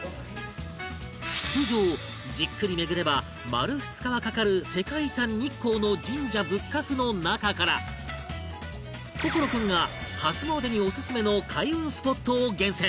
通常じっくり巡れば丸２日はかかる世界遺産日光の神社仏閣の中から心君が初詣にオススメの開運スポットを厳選